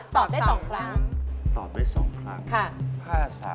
ตอบได้๒ครั้งค่ะตอบเลย๒ครั้ง